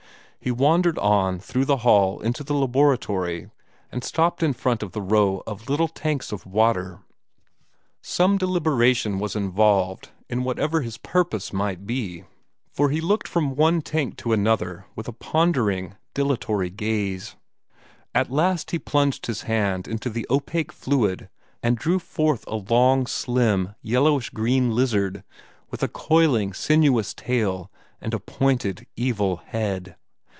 He wandered on through the hall into the laboratory, and stopped in front of the row of little tanks full of water. Some deliberation was involved in whatever his purpose might be, for he looked from one tank to another with a pondering, dilatory gaze. At last he plunged his hand into the opaque fluid and drew forth a long, slim, yellowish green lizard, with a coiling, sinuous tail and a pointed, evil head.